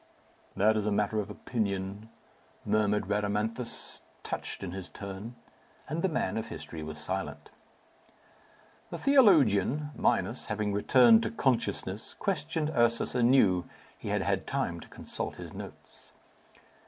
"That is a matter of opinion," murmured Rhadamanthus, touched in his turn. And the man of history was silent. The theologian, Minos, having returned to consciousness, questioned Ursus anew. He had had time to consult his notes.